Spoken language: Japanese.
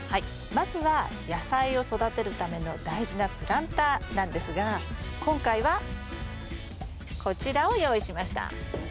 まずは野菜を育てるための大事なプランターなんですが今回はこちらを用意しました。